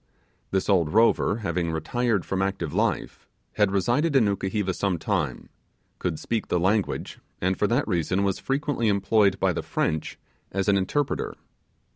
This old rover having retired from active life, had resided in Nukuheva some time could speak the language, and for that reason was frequently employed by the French as an interpreter.